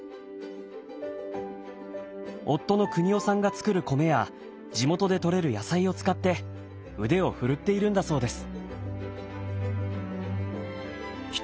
夫の邦夫さんが作る米や地元でとれる野菜を使って腕を振るっているんだそうです。